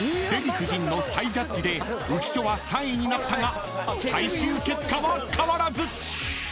［デヴィ夫人の再ジャッジで浮所は３位になったが最終結果は変わらず］